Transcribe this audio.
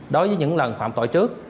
đối với những lần phạm tội trước